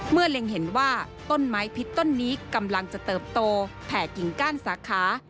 เล็งเห็นว่าต้นไม้พิษต้นนี้กำลังจะเติบโตแผ่กิ่งก้านสาขา